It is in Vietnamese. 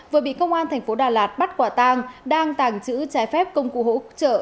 vừa bị công an tp đà lạt bắt quả tang đang tàng trữ trái phép công cụ hỗ trợ